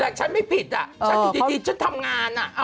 แต่ฉันไม่ผิดอ่ะฉันอยู่ดีฉันทำงาน